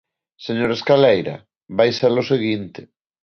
Señor Escaleira, vai ser o seguinte.